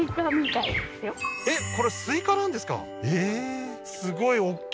えっこれスイカなんですかええー